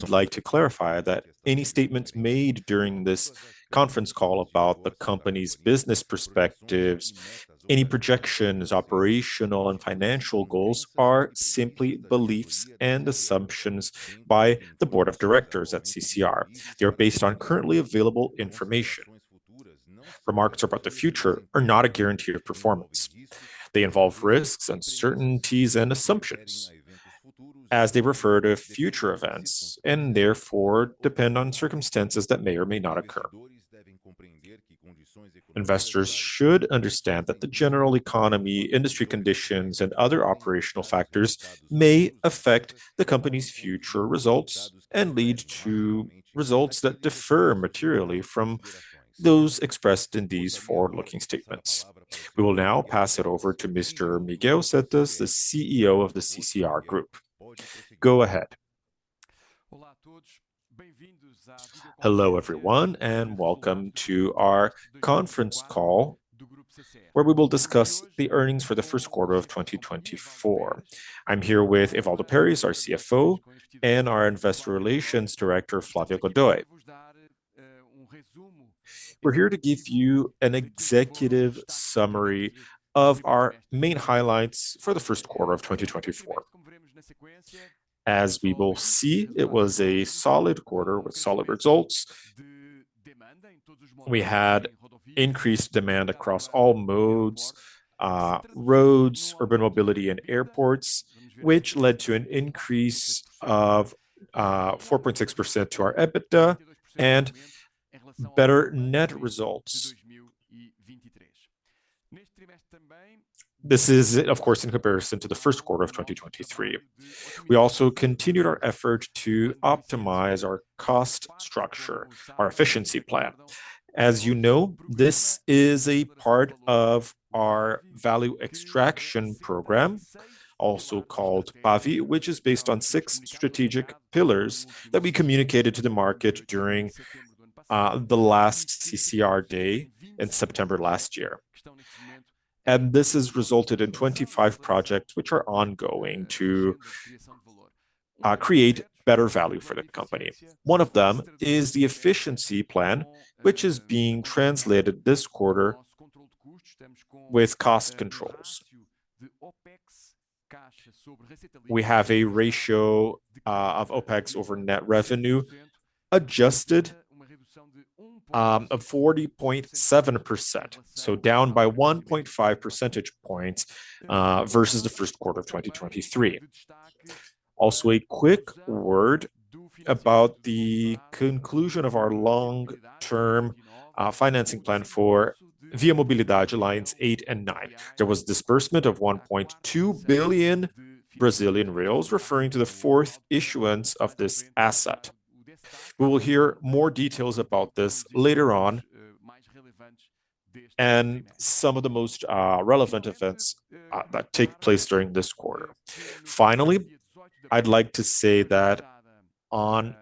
I'd like to clarify that any statements made during this conference call about the company's business perspectives, any projections, operational, and financial goals are simply beliefs and assumptions by the Board of Directors at CCR. They're based on currently available information. Remarks about the future are not a guarantee of performance. They involve risks, uncertainties, and assumptions, as they refer to future events, and therefore, depend on circumstances that may or may not occur. Investors should understand that the general economy, industry conditions, and other operational factors may affect the company's future results and lead to results that differ materially from those expressed in these forward-looking statements. We will now pass it over to Mr. Miguel Setas, the CEO of the CCR Group. Go ahead. Hello, everyone, and welcome to our conference call, where we will discuss the earnings for the first quarter of 2024. I'm here with Waldo Perez, our CFO, and our Investor Relations Director, Flávia Godoy. We're here to give you an executive summary of our main highlights for the first quarter of 2024. As we will see, it was a solid quarter with solid results. We had increased demand across all modes, roads, urban mobility, and airports, which led to an increase of 4.6% to our EBITDA, and better net results. This is, of course, in comparison to the first quarter of 2023. We also continued our effort to optimize our cost structure, our efficiency plan. As you know, this is a part of our value extraction program, also called PAV, which is based on six strategic pillars that we communicated to the market during the last CCR Day in September last year. This has resulted in 25 projects, which are ongoing to create better value for the company. One of them is the efficiency plan, which is being translated this quarter with cost controls. We have a ratio of OpEx over net revenue, adjusted, of 40.7%, so down by 1.5 percentage points versus the first quarter of 2023. Also, a quick word about the conclusion of our long-term financing plan for ViaMobilidade Lines 8 and 9. There was disbursement of 1.2 billion Brazilian reais, referring to the fourth issuance of this asset. We will hear more details about this later on, and some of the most relevant events that took place during this quarter. Finally, I'd like to say that on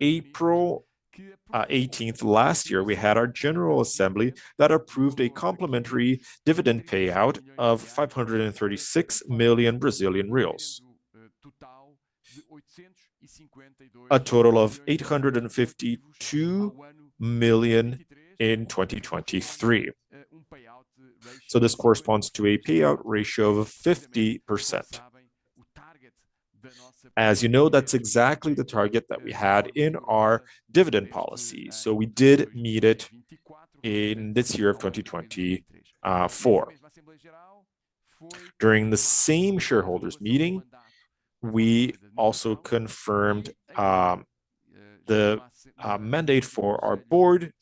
April 18th last year, we had our General Assembly that approved a complimentary dividend payout of 536 million Brazilian reais. A total of 852 million in 2023. So this corresponds to a payout ratio of 50%. As you know, that's exactly the target that we had in our dividend policy, so we did meet it in this year of 2024. During the same shareholders meeting, we also confirmed the mandate for our board,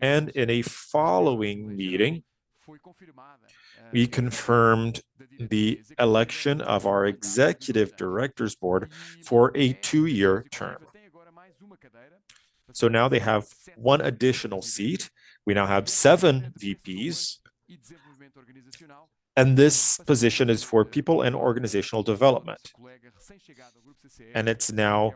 and in a following meeting, we confirmed the election of our executive director's board for a two-year term. So now they have one additional seat. We now have seven VPs, and this position is for people in organizational development, and it's now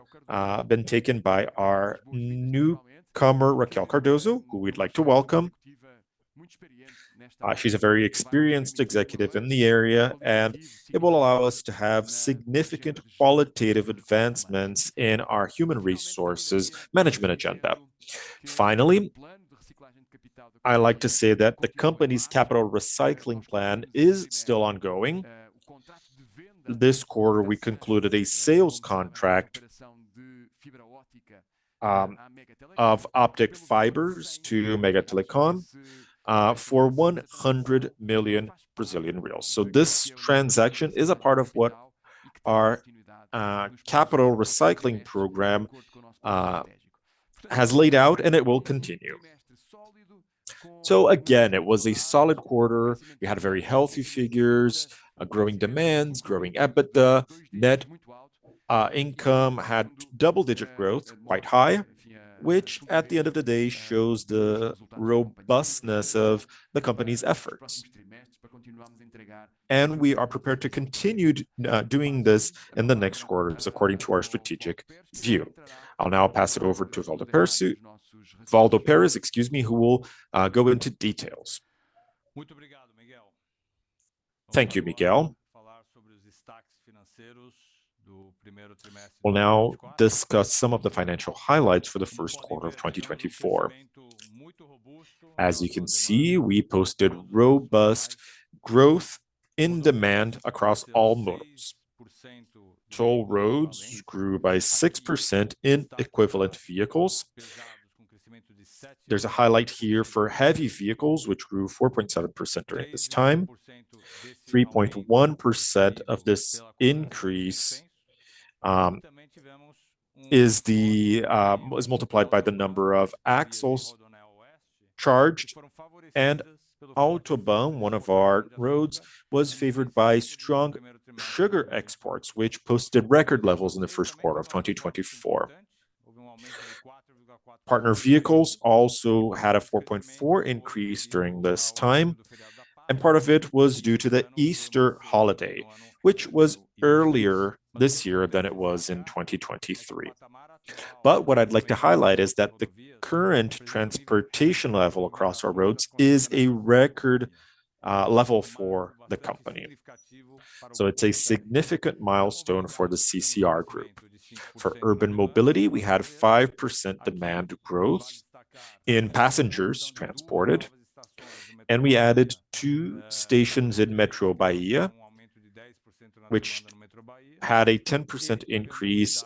been taken by our newcomer, Raquel Cardoso, who we'd like to welcome. She's a very experienced executive in the area, and it will allow us to have significant qualitative advancements in our human resources management agenda. Finally, I like to say that the company's capital recycling plan is still ongoing. This quarter, we concluded a sales contract of optic fibers to Megatelecom for 100 million Brazilian reais. So this transaction is a part of what our capital recycling program has laid out, and it will continue. So again, it was a solid quarter. We had very healthy figures, a growing demands, growing EBITDA. Net income had double-digit growth, quite high, which at the end of the day, shows the robustness of the company's efforts. We are prepared to continue doing this in the next quarters, according to our strategic view. I'll now pass it over to Waldo Perez, Waldo Perez, excuse me, who will go into details. Thank you, Miguel. We'll now discuss some of the financial highlights for the first quarter of 2024. As you can see, we posted robust growth in demand across all modes. Toll roads grew by 6% in equivalent vehicles. There's a highlight here for heavy vehicles, which grew 4.7% during this time. 3.1% of this increase is multiplied by the number of axles charged, and AutoBAn, one of our roads, was favored by strong sugar exports, which posted record levels in the first quarter of 2024. Passenger vehicles also had a 4.4% increase during this time, and part of it was due to the Easter holiday, which was earlier this year than it was in 2023. But what I'd like to highlight is that the current transportation level across our roads is a record level for the company. So it's a significant milestone for the CCR Group. For urban mobility, we had a 5% demand growth in passengers transported, and we added two stations in Metrô Bahia, which had a 10% increase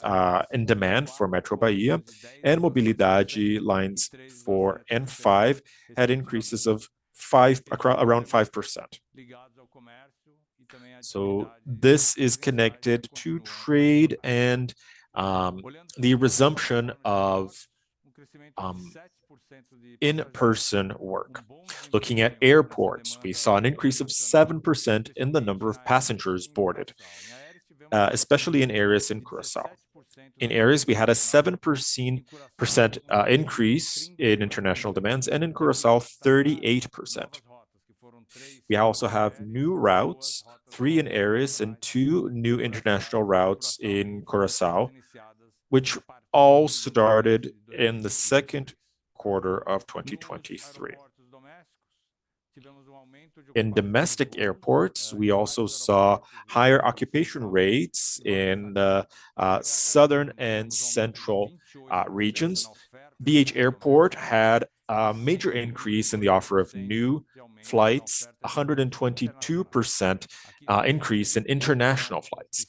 in demand for Metrô Bahia, and Mobilidade Lines 4 and 5 had increases of around 5%. So this is connected to trade and the resumption of in-person work. Looking at airports, we saw an increase of 7% in the number of passengers boarded, especially in Aeris and Curaçao. In Aeris, we had a 7% increase in international demands, and in Curaçao, 38%. We also have new routes, three in Aeris and two new international routes in Curaçao, which all started in the second quarter of 2023. In domestic airports, we also saw higher occupation rates in the southern and central regions. BH Airport had a major increase in the offer of new flights, a 122% increase in international flights.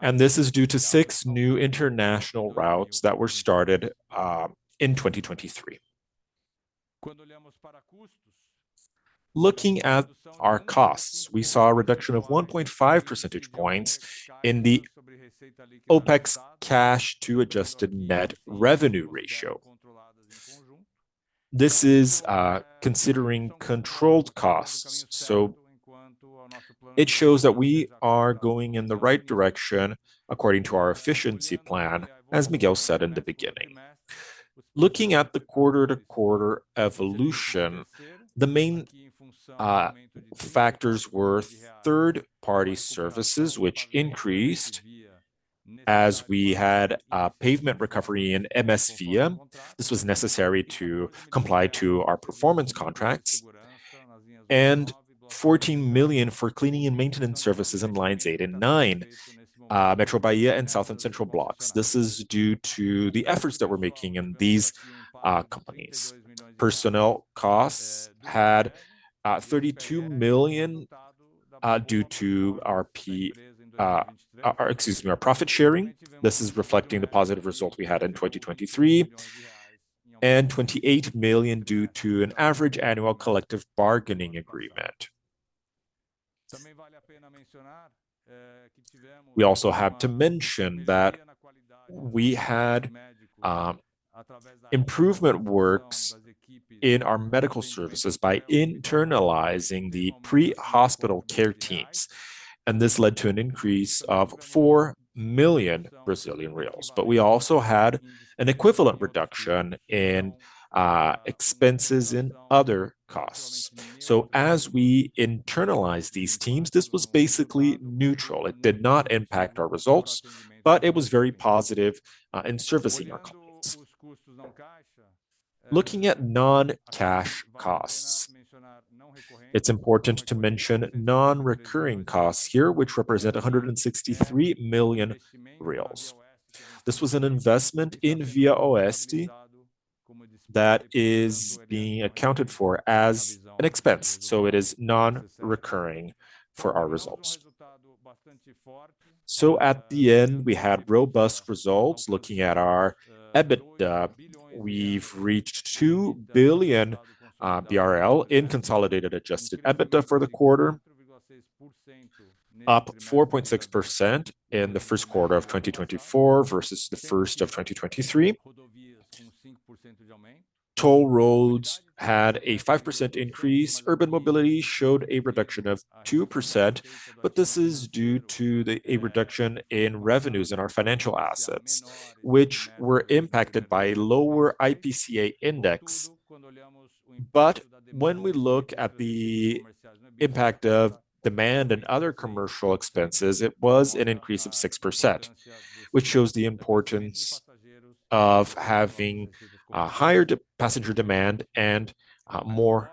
And this is due to six new international routes that were started in 2023. Looking at our costs, we saw a reduction of 1.5 percentage points in the OpEx cash to adjusted net revenue ratio. This is, considering controlled costs, so it shows that we are going in the right direction according to our efficiency plan, as Miguel said in the beginning. Looking at the quarter-to-quarter evolution, the main factors were third-party services, which increased as we had a pavement recovery in MSVia. This was necessary to comply to our performance contracts, and 14 million for cleaning and maintenance services in Lines 8 and 9, Metrô Bahia and South and Central blocks. This is due to the efforts that we're making in these companies. Personnel costs had 32 million due to our profit sharing. This is reflecting the positive results we had in 2023, and 28 million due to an average annual collective bargaining agreement. We also have to mention that we had improvement works in our medical services by internalizing the pre-hospital care teams, and this led to an increase of 4 million Brazilian reais. But we also had an equivalent reduction in expenses and other costs. So as we internalized these teams, this was basically neutral. It did not impact our results, but it was very positive in servicing our companies. Looking at non-cash costs, it's important to mention non-recurring costs here, which represent 163 million reais. This was an investment in ViaOeste that is being accounted for as an expense, so it is non-recurring for our results. So at the end, we had robust results. Looking at our EBITDA, we've reached 2 billion BRL in consolidated adjusted EBITDA for the quarter, up 4.6% in the first quarter of 2024 versus the first of 2023. Toll roads had a 5% increase. Urban mobility showed a reduction of 2%, but this is due to a reduction in revenues in our financial assets, which were impacted by a lower IPCA index. But when we look at the impact of demand and other commercial expenses, it was an increase of 6%, which shows the importance of having a higher passenger demand and more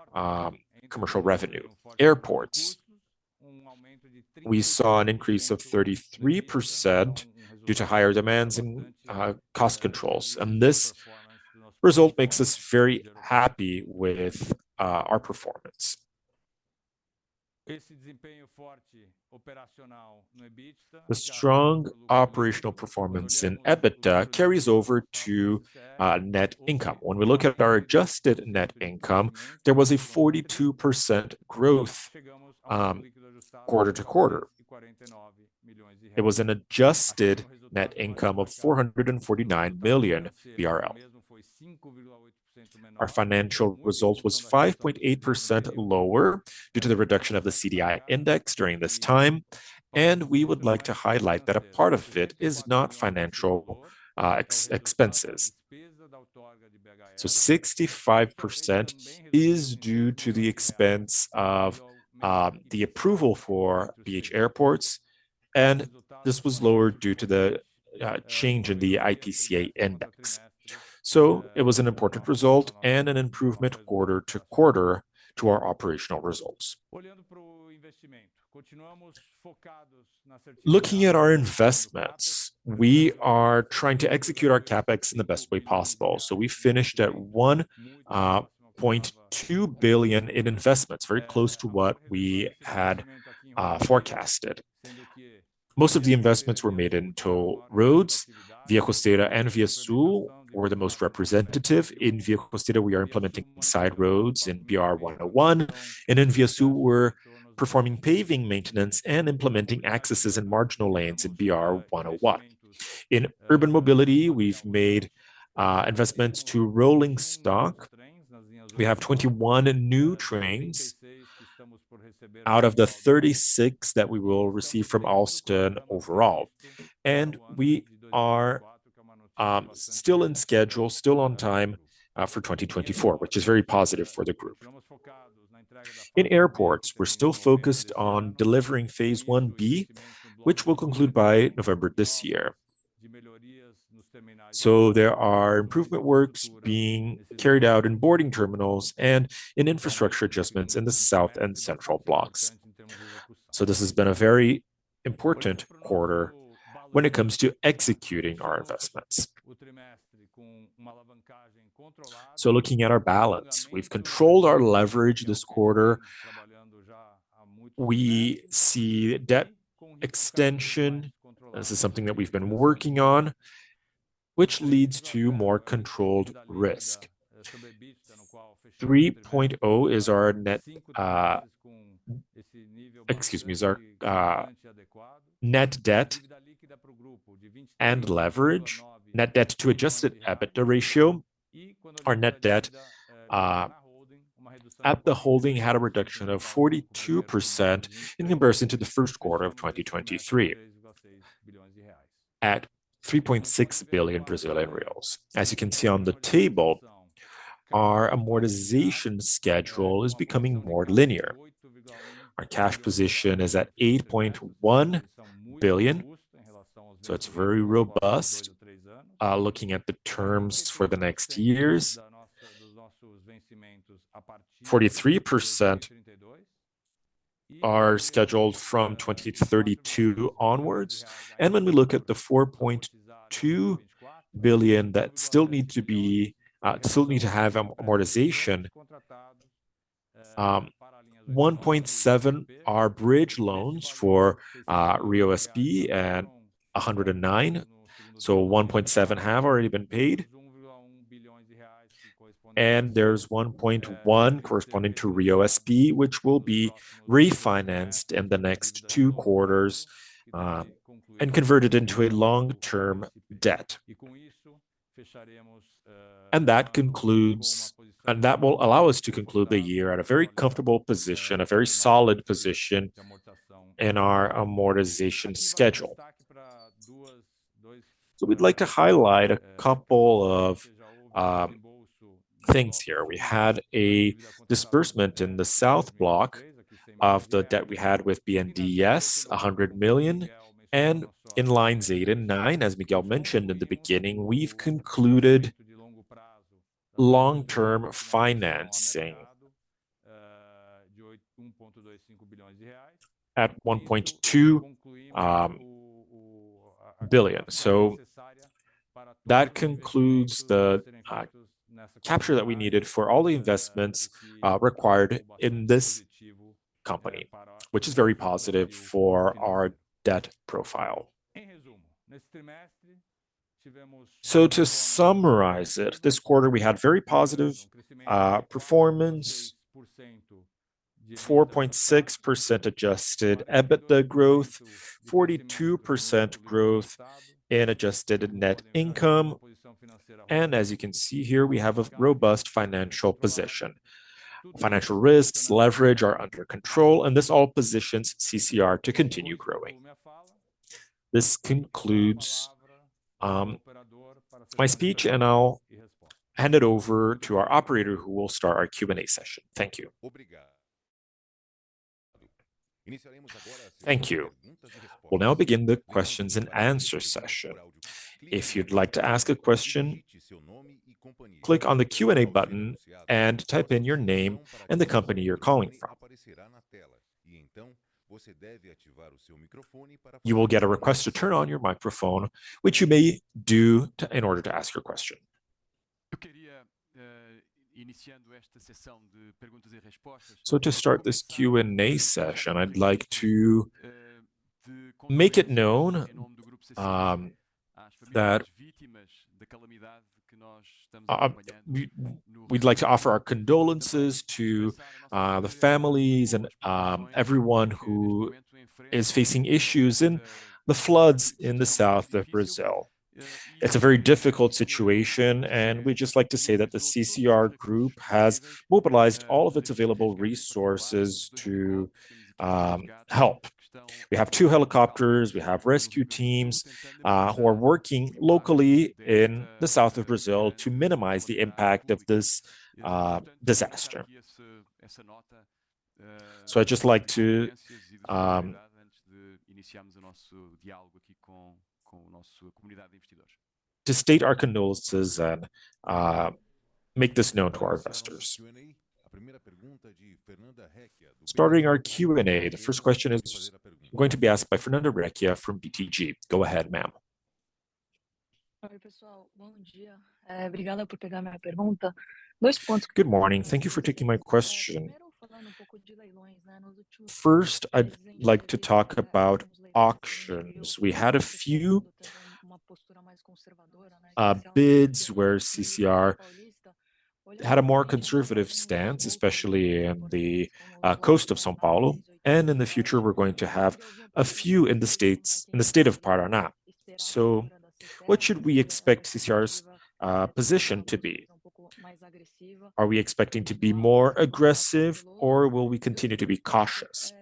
commercial revenue. Airports, we saw an increase of 33% due to higher demands and cost controls, and this result makes us very happy with our performance. The strong operational performance in EBITDA carries over to net income. When we look at our adjusted net income, there was a 42% growth quarter to quarter. It was an adjusted net income of 449 million BRL. Our financial result was 5.8% lower due to the reduction of the CDI index during this time, and we would like to highlight that a part of it is not financial expenses. So 65% is due to the expense of the approval for BH Airport, and this was lower due to the change in the IPCA index. So it was an important result and an improvement quarter-over-quarter to our operational results. Looking at our investments, we are trying to execute our CapEx in the best way possible, so we finished at 1.2 billion in investments, very close to what we had forecasted. Most of the investments were made in toll roads, ViaCosteira and ViaSul were the most representative. In ViaCosteira, we are implementing side roads in BR-101, and in ViaSul, we're performing paving maintenance and implementing accesses and marginal lanes in BR-101. In urban mobility, we've made investments to rolling stock. We have 21 new trains out of the 36 that we will receive from Alstom overall, and we are still in schedule, still on time for 2024, which is very positive for the group. In airports, we're still focused on delivering phase 1B, which will conclude by November this year. There are improvement works being carried out in boarding terminals and in infrastructure adjustments in the South and Central Blocks. This has been a very important quarter when it comes to executing our investments. Looking at our balance, we've controlled our leverage this quarter. We see debt extension, this is something that we've been working on, which leads to more controlled risk. 3.0 is our net. Excuse me, is our net debt and leverage, Net Debt to Adjusted EBITDA ratio. Our net debt at the holding had a reduction of 42% in comparison to the first quarter of 2023, at 3.6 billion Brazilian reais. As you can see on the table, our amortization schedule is becoming more linear. Our cash position is at 8.1 billion, so it's very robust. Looking at the terms for the next years, 43% are scheduled from 2032 onwards, and when we look at the 4.2 billion that still need to have amortization, 1.7 billion are bridge loans for Rio SP at 109, so 1.7 billion have already been paid. And there's 1.1 billion corresponding to Rio SP, which will be refinanced in the next two quarters and converted into a long-term debt. And that will allow us to conclude the year at a very comfortable position, a very solid position in our amortization schedule. So we'd like to highlight a couple of things here. We had a disbursement in the South Block of the debt we had with BNDES, 100 million, and in lines eight and nine, as Miguel mentioned in the beginning, we've concluded long-term financing at 1.2 billion. So that concludes the capture that we needed for all the investments required in this company, which is very positive for our debt profile. So to summarize it, this quarter we had very positive performance, 4.6% adjusted EBITDA growth, 42% growth in adjusted net income, and as you can see here, we have a robust financial position. Financial risks, leverage are under control, and this all positions CCR to continue growing. This concludes my speech, and I'll hand it over to our operator, who will start our Q&A session. Thank you. Thank you. We'll now begin the questions and answer session. If you'd like to ask a question, click on the Q&A button and type in your name and the company you're calling from. You will get a request to turn on your microphone, which you may do to, in order to ask your question. So to start this Q&A session, I'd like to make it known that we we'd like to offer our condolences to the families and everyone who is facing issues in the floods in the south of Brazil. It's a very difficult situation, and we'd just like to say that the CCR Group has mobilized all of its available resources to help. We have two helicopters, we have rescue teams who are working locally in the south of Brazil to minimize the impact of this disaster. So I'd just like to state our condolences and make this known to our investors. Starting our Q&A, the first question is going to be asked by Fernanda Recchia from BTG. Go ahead, ma'am. Good morning. Thank you for taking my question. First, I'd like to talk about auctions. We had a few bids where CCR had a more conservative stance, especially in the coast of São Paulo, and in the future we're going to have a few in the state of Paraná. So what should we expect CCR's position to be? Are we expecting to be more aggressive or will we continue to be cautious?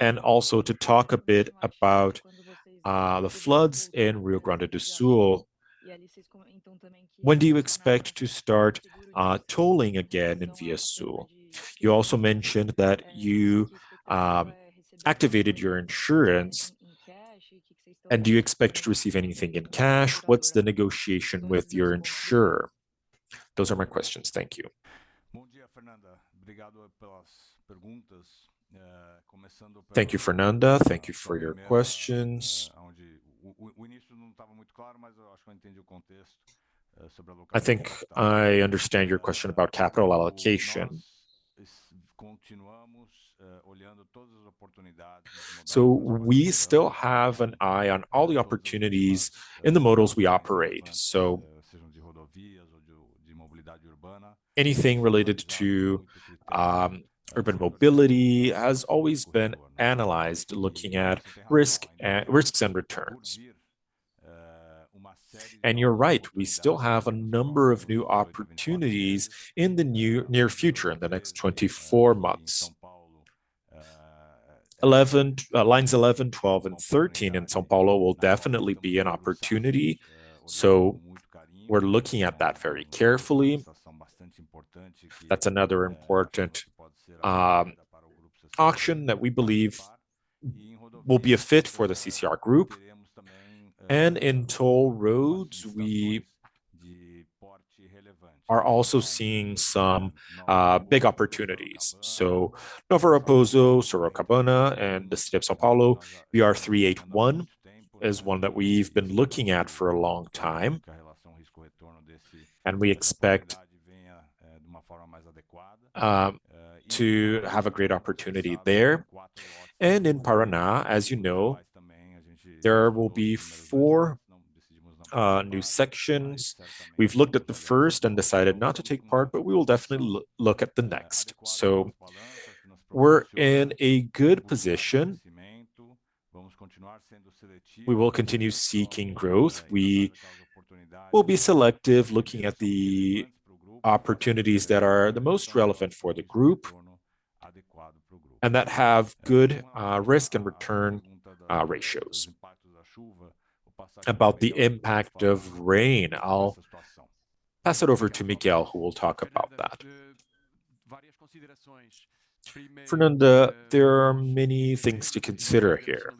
And also to talk a bit about the floods in Rio Grande do Sul. When do you expect to start tolling again in ViaSul? You also mentioned that you activated your insurance, and do you expect to receive anything in cash? What's the negotiation with your insurer? Those are my questions. Thank you. Thank you, Fernanda. Thank you for your questions. I think I understand your question about capital allocation. So we still have an eye on all the opportunities in the models we operate, so anything related to urban mobility has always been analyzed looking at risks and returns. And you're right, we still have a number of new opportunities in the near future, in the next 24 months. Lines 11, 12, and 13 in São Paulo will definitely be an opportunity, so we're looking at that very carefully. That's another important auction that we believe will be a fit for the CCR Group. And in toll roads, we are also seeing some big opportunities. So Nova Raposo, Rota Sorocabana, and the state of São Paulo, BR-381 is one that we've been looking at for a long time, and we expect to have a great opportunity there. And in Paraná, as you know, there will be four new sections. We've looked at the first and decided not to take part, but we will definitely look at the next. So we're in a good position. We will continue seeking growth. We will be selective, looking at the opportunities that are the most relevant for the group, and that have good risk and return ratios. About the impact of rain, I'll pass it over to Miguel, who will talk about that. Fernanda, there are many things to consider here.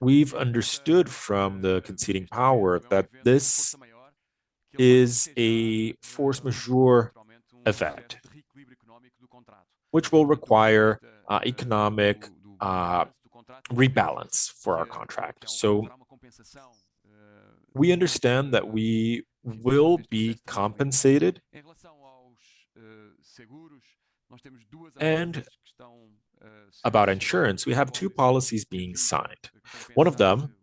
We've understood from the conceding power that this is a force majeure event, which will require economic rebalance for our contract, so we understand that we will be compensated. And about insurance, we have two policies being signed. One of them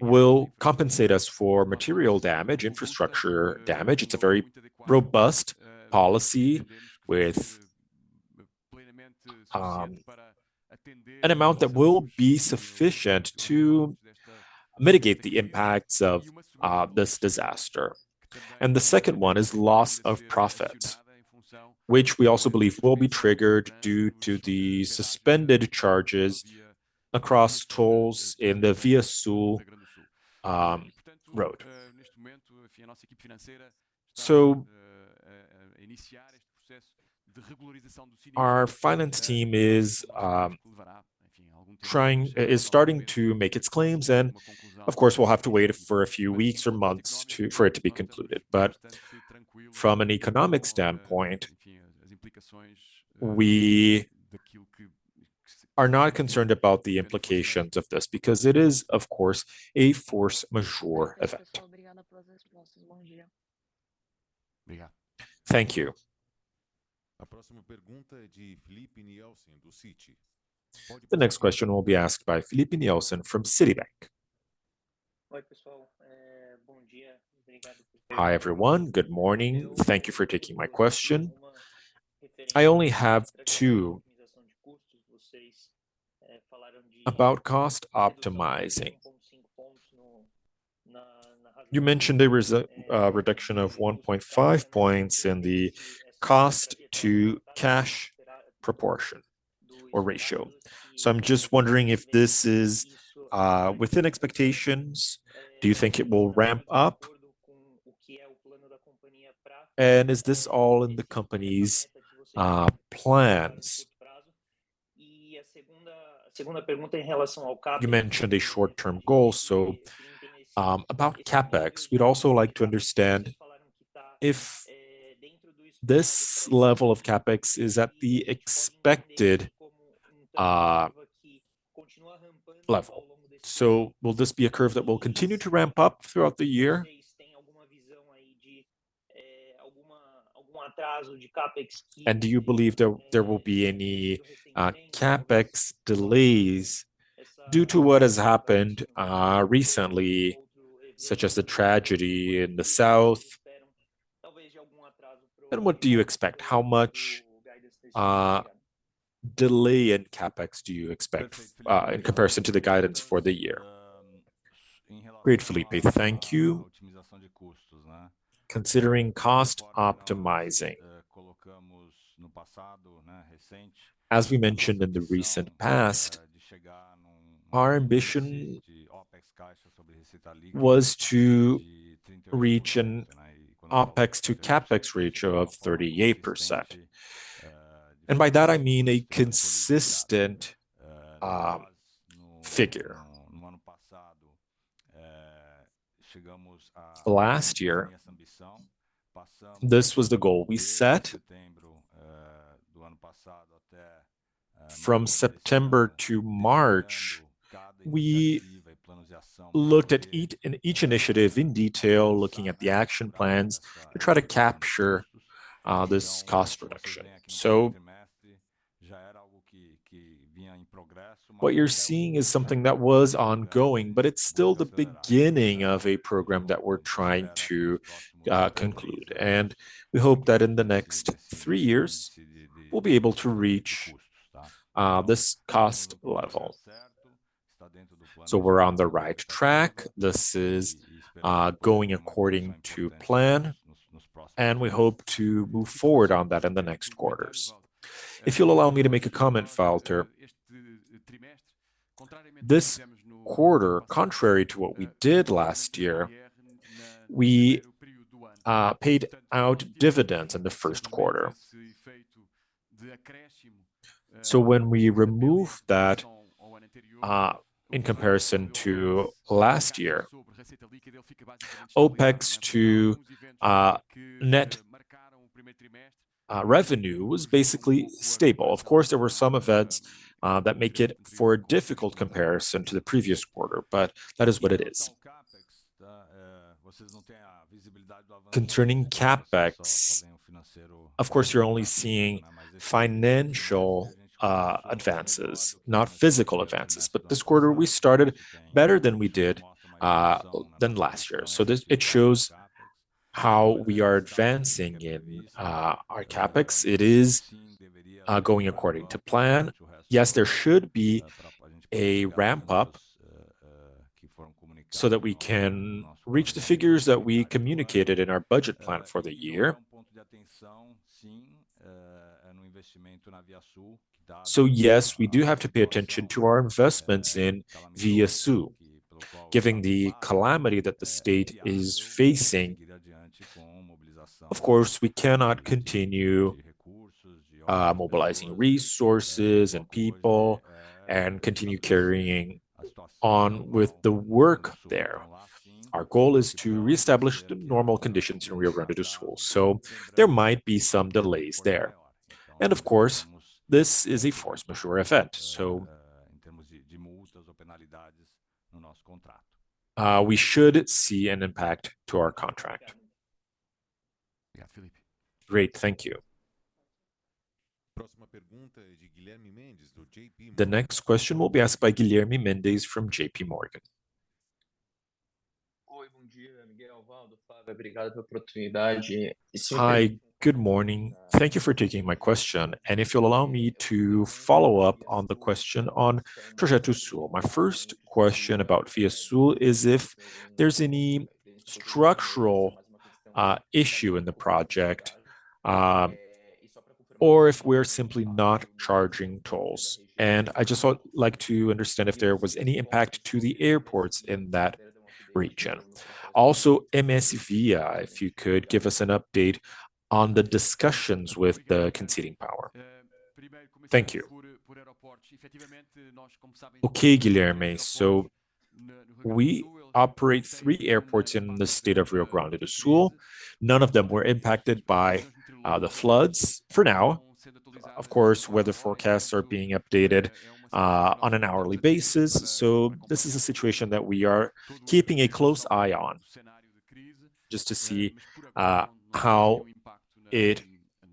will compensate us for material damage, infrastructure damage. It's a very robust policy with an amount that will be sufficient to mitigate the impacts of this disaster. And the second one is loss of profits, which we also believe will be triggered due to the suspended charges across tolls in the ViaSul road. So, our finance team is starting to make its claims, and of course, we'll have to wait for a few weeks or months for it to be concluded. But from an economic standpoint, we are not concerned about the implications of this, because it is, of course, a force majeure event. Thank you. The next question will be asked by Filipe Nielsen from Citibank. Hi, everyone. Good morning. Thank you for taking my question. I only have two. About cost optimizing, you mentioned there was a reduction of 1.5 points in the cost to cash proportion or ratio. So I'm just wondering if this is within expectations. Do you think it will ramp up? And is this all in the company's plans? You mentioned a short-term goal, so, about CapEx, we'd also like to understand if this level of CapEx is at the expected level. So will this be a curve that will continue to ramp up throughout the year? And do you believe there will be any CapEx delays due to what has happened recently, such as the tragedy in the South? And what do you expect? How much delay in CapEx do you expect in comparison to the guidance for the year? Great, Felipe. Thank you. Considering cost optimizing, as we mentioned in the recent past, our ambition was to reach an OpEx to CapEx ratio of 38%, and by that I mean a consistent figure. Last year, this was the goal we set. From September to March, we looked at each, in each initiative in detail, looking at the action plans to try to capture, this cost reduction. So what you're seeing is something that was ongoing, but it's still the beginning of a program that we're trying to, conclude, and we hope that in the next three years, we'll be able to reach, this cost level. So we're on the right track. This is, going according to plan, and we hope to move forward on that in the next quarters. If you'll allow me to make a comment, Waldo. This quarter, contrary to what we did last year, we, paid out dividends in the first quarter. So when we remove that, in comparison to last year, OpEx to, net, revenue was basically stable. Of course, there were some events that make for a difficult comparison to the previous quarter, but that is what it is. Concerning CapEx, of course, you're only seeing financial advances, not physical advances. But this quarter, we started better than we did last year. So, it shows how we are advancing in our CapEx. It is going according to plan. Yes, there should be a ramp up, so that we can reach the figures that we communicated in our budget plan for the year. So yes, we do have to pay attention to our investments in ViaSul. Given the calamity that the state is facing, of course, we cannot continue mobilizing resources and people, and continue carrying on with the work there. Our goal is to reestablish the normal conditions in Rio Grande do Sul, so there might be some delays there. And of course, this is a force majeure event, so, we should see an impact to our contract. Great. Thank you. The next question will be asked by Guilherme Mendes from J.P. Morgan. Hi, good morning. Thank you for taking my question, and if you'll allow me to follow up on the question on Projeto Sul. My first question about ViaSul is, if there's any structural issue in the project, or if we're simply not charging tolls. And I just would like to understand if there was any impact to the airports in that region. Also, MSVia, if you could give us an update on the discussions with the conceding power. Thank you. Okay, Guilherme, so we operate three airports in the state of Rio Grande do Sul. None of them were impacted by the floods for now. Of course, weather forecasts are being updated on an hourly basis, so this is a situation that we are keeping a close eye on, just to see how it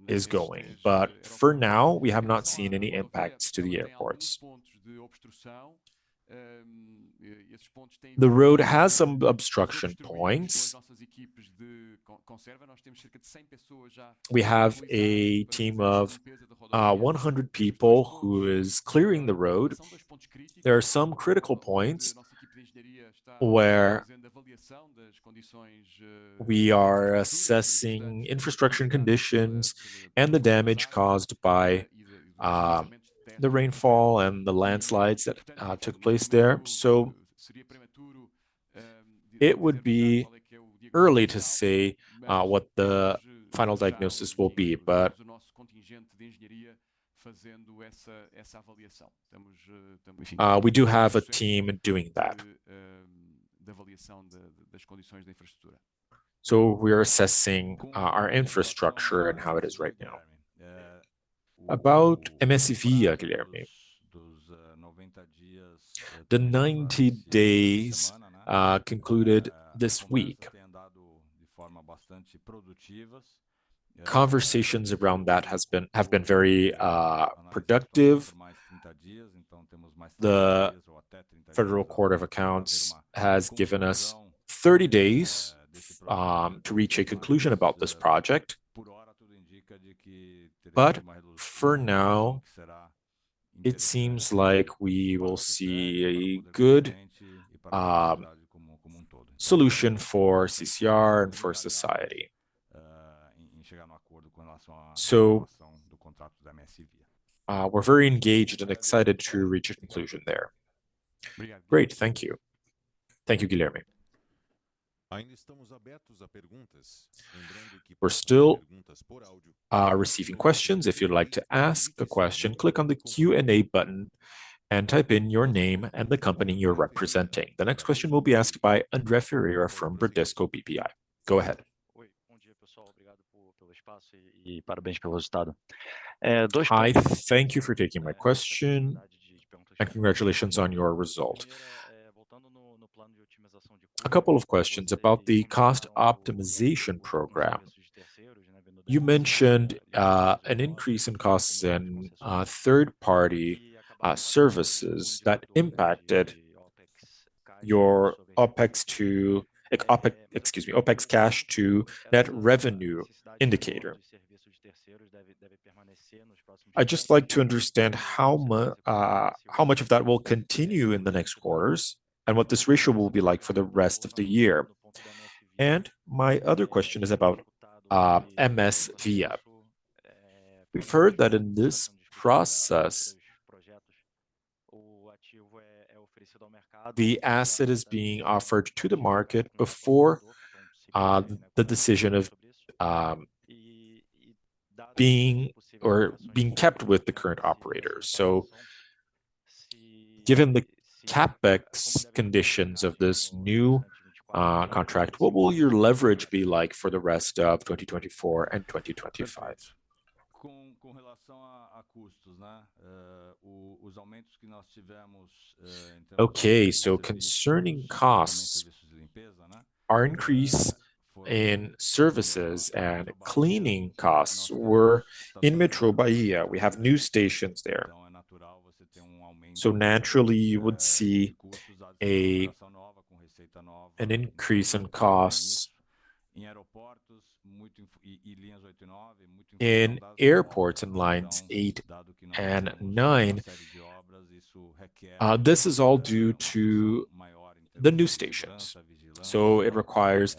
is going. But for now, we have not seen any impacts to the airports. The road has some obstruction points. We have a team of 100 people who is clearing the road. There are some critical points where we are assessing infrastructure and conditions, and the damage caused by the rainfall and the landslides that took place there. So it would be early to say what the final diagnosis will be, but we do have a team doing that. So we are assessing our infrastructure and how it is right now. About MSVia, Guilherme. The 90 days concluded this week. Conversations around that have been very productive. The Federal Court of Accounts has given us 30 days to reach a conclusion about this project. But for now, it seems like we will see a good solution for CCR and for society. So we're very engaged and excited to reach a conclusion there. Great. Thank you. Thank you, Guilherme. We're still receiving questions. If you'd like to ask a question, click on the Q&A button and type in your name and the company you're representing. The next question will be asked by André Ferreira from Bradesco BBI. Go ahead. Hi, thank you for taking my question, and congratulations on your result. A couple of questions about the cost optimization program. You mentioned an increase in costs in third-party services that impacted your OpEx to... Ex- OpEx, excuse me, OpEx cash to net revenue indicator. I'd just like to understand how much of that will continue in the next quarters, and what this ratio will be like for the rest of the year. My other question is about MSVia. We've heard that in this process, the asset is being offered to the market before the decision of being or being kept with the current operators. So given the CapEx conditions of this new contract, what will your leverage be like for the rest of 2024 and 2025? Okay, so concerning costs, our increase in services and cleaning costs were in Metrô Bahia. We have new stations there. So naturally, you would see an increase in costs in airports in lines 8 and 9. This is all due to the new stations, so it requires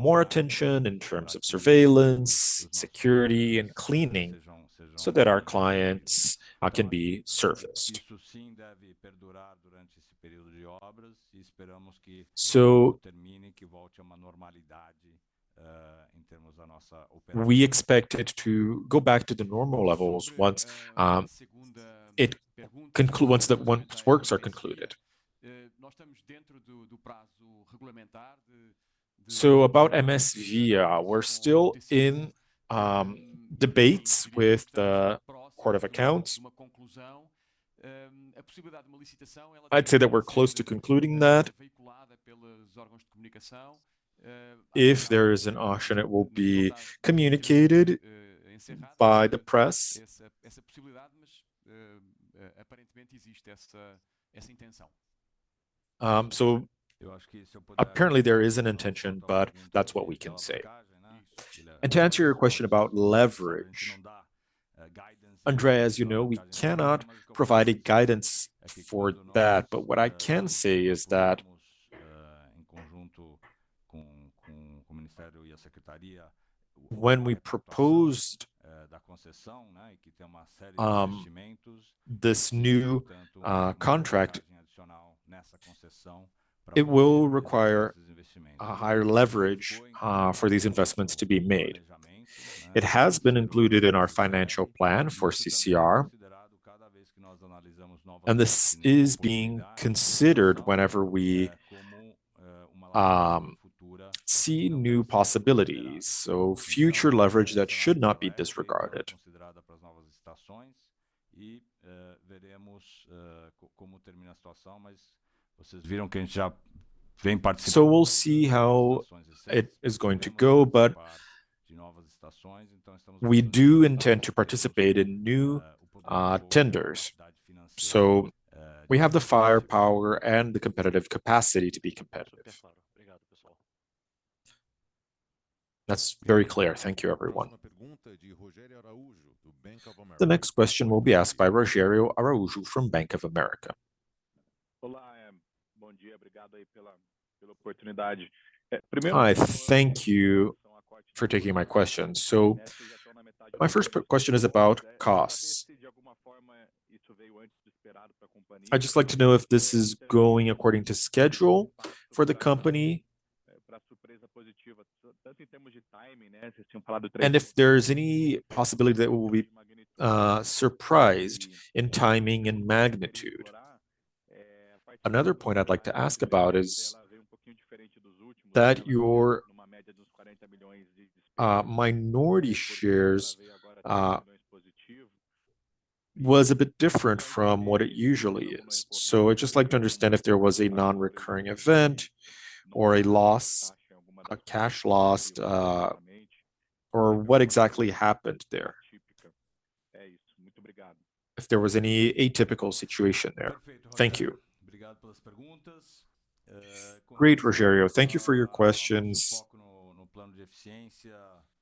more attention in terms of surveillance, security, and cleaning, so that our clients can be serviced. So we expect it to go back to the normal levels once the works are concluded. So about MSVia, we're still in debates with the Court of Accounts. I'd say that we're close to concluding that. If there is an auction, it will be communicated by the press. So apparently there is an intention, but that's what we can say. And to answer your question about leverage, André, as you know, we cannot provide a guidance for that, but what I can say is that-...When we proposed this new contract, it will require a higher leverage for these investments to be made. It has been included in our financial plan for CCR, and this is being considered whenever we see new possibilities, so future leverage that should not be disregarded. So we'll see how it is going to go, but we do intend to participate in new tenders. So we have the firepower and the competitive capacity to be competitive. That's very clear. Thank you, everyone. The next question will be asked by Rogério Araújo from Bank of America. Hi, thank you for taking my question. So my first question is about costs. I'd just like to know if this is going according to schedule for the company, and if there is any possibility that we'll be surprised in timing and magnitude. Another point I'd like to ask about is that your minority shares was a bit different from what it usually is. So I'd just like to understand if there was a non-recurring event or a loss, a cash loss, or what exactly happened there? If there was any atypical situation there. Thank you. Great, Rogério. Thank you for your questions.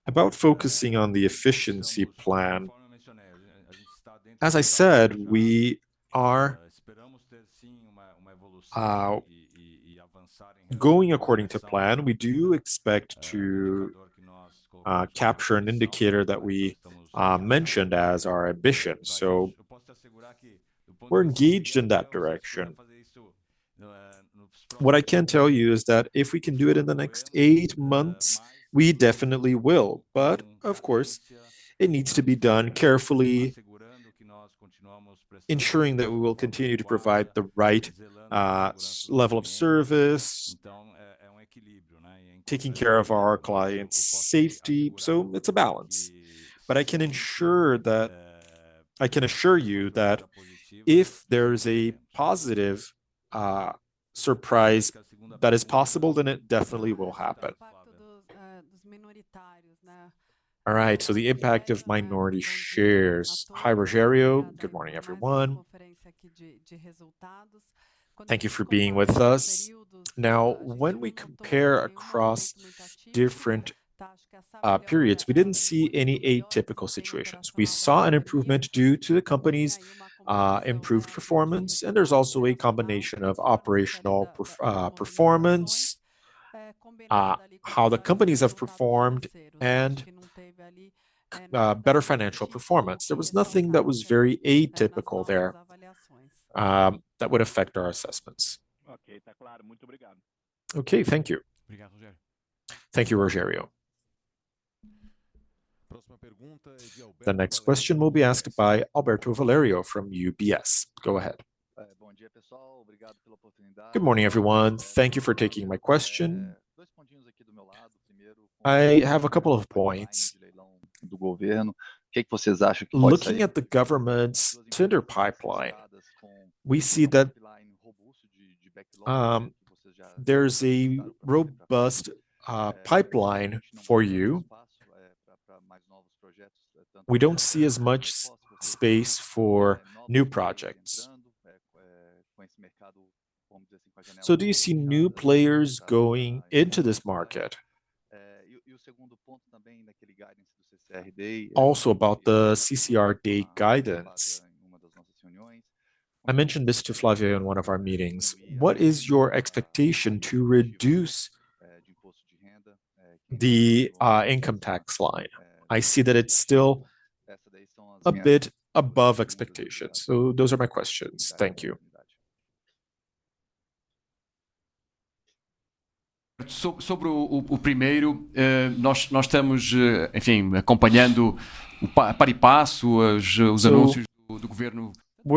About focusing on the efficiency plan, as I said, we are going according to plan. We do expect to capture an indicator that we mentioned as our ambition, so we're engaged in that direction. What I can tell you is that if we can do it in the next eight months, we definitely will. But of course, it needs to be done carefully, ensuring that we will continue to provide the right level of service, taking care of our clients' safety, so it's a balance. But I can ensure that... I can assure you that if there is a positive surprise that is possible, then it definitely will happen. All right, so the impact of minority shares. Hi, Rogério. Good morning, everyone. Thank you for being with us. Now, when we compare across different periods, we didn't see any atypical situations. We saw an improvement due to the company's improved performance, and there's also a combination of operational performance, how the companies have performed, and better financial performance. There was nothing that was very atypical there, that would affect our assessments. Okay, thank you. Thank you, Rogério. The next question will be asked by Alberto Valerio from UBS. Go ahead. Good morning, everyone. Thank you for taking my question. I have a couple of points. Looking at the government's tender pipeline, we see that there's a robust pipeline for you. We don't see as much space for new projects. So do you see new players going into this market? Also, about the CCR Day guidance, I mentioned this to Flávia in one of our meetings, what is your expectation to reduce the Income Tax line? I see that it's still a bit above expectations. So those are my questions. Thank you. So, we're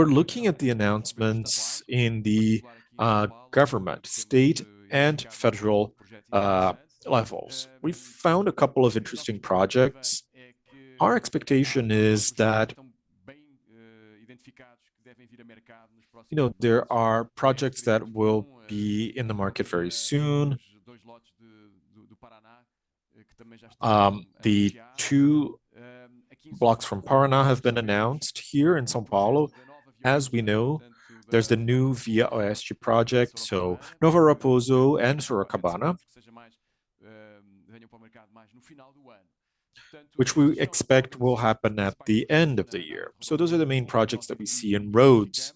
looking at the announcements in the government, state and federal levels. We found a couple of interesting projects. Our expectation is that, you know, there are projects that will be in the market very soon. The two blocks from Paraná have been announced here in São Paulo. As we know, there's the new ViaOeste project, so Nova Raposo and Sorocabana, which we expect will happen at the end of the year. So those are the main projects that we see in roads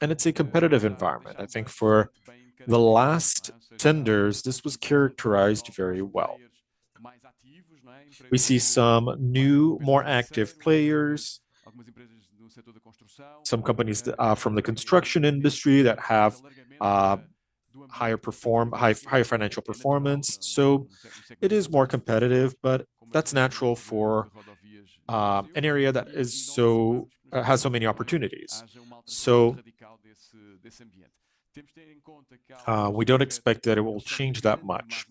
and it's a competitive environment. I think for the last tenders, this was characterized very well. We see some new, more active players, some companies that are from the construction industry that have higher financial performance. So it is more competitive, but that's natural for an area that has so many opportunities. We don't expect that it will change that much.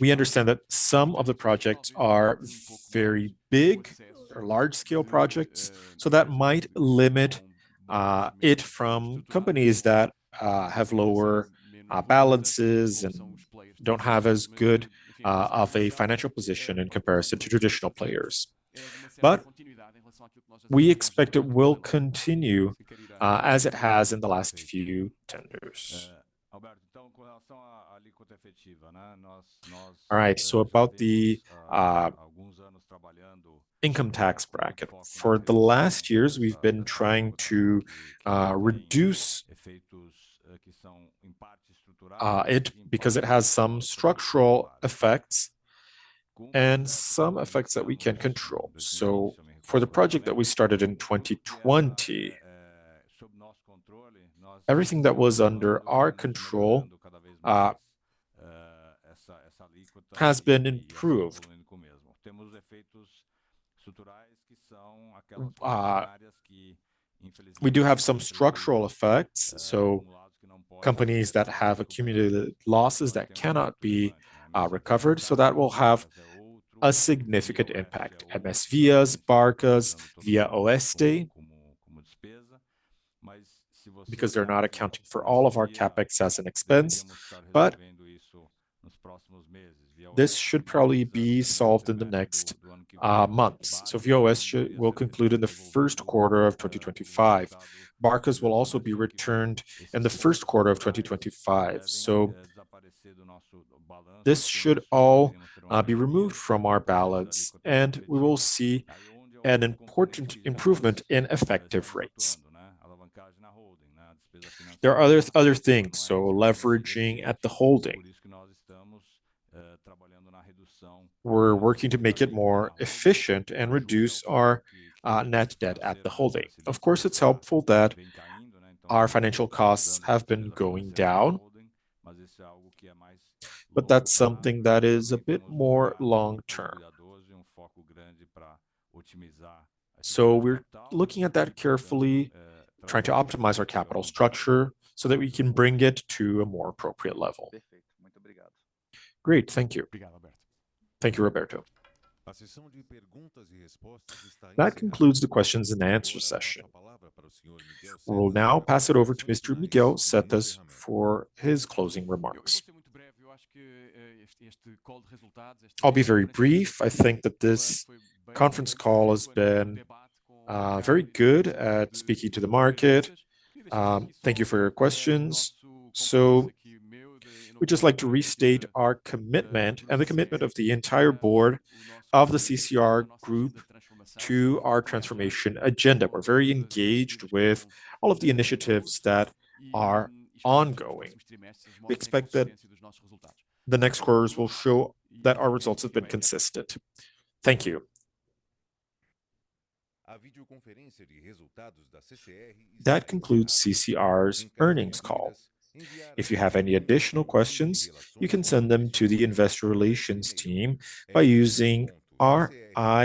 We understand that some of the projects are very big or large-scale projects, so that might limit it from companies that have lower balances and don't have as good of a financial position in comparison to traditional players. We expect it will continue as it has in the last few tenders. All right, about the income tax bracket. For the last years, we've been trying to reduce it because it has some structural effects and some effects that we can control. For the project that we started in 2020, everything that was under our control has been improved. We do have some structural effects, so companies that have accumulated losses that cannot be recovered, so that will have a significant impact. MSVia, Barcas, ViaOeste, because they're not accounting for all of our CapEx as an expense, but this should probably be solved in the next months. So VOS should... will conclude in the first quarter of 2025. Barcas will also be returned in the first quarter of 2025. So this should all be removed from our balance, and we will see an important improvement in effective rates. There are others, other things, so leveraging at the holding. We're working to make it more efficient and reduce our Net Debt at the holding. Of course, it's helpful that our financial costs have been going down, but that's something that is a bit more long term. So we're looking at that carefully, trying to optimize our capital structure so that we can bring it to a more appropriate level. Great. Thank you. Thank you, Alberto. That concludes the questions and answer session. We'll now pass it over to Mr. Miguel Setas for his closing remarks. I'll be very brief. I think that this conference call has been very good at speaking to the market. Thank you for your questions. We'd just like to restate our commitment and the commitment of the entire board of the CCR Group to our transformation agenda. We're very engaged with all of the initiatives that are ongoing. We expect that the next quarters will show that our results have been consistent. Thank you. That concludes CCR's earnings call. If you have any additional questions, you can send them to the investor relations team by using ri-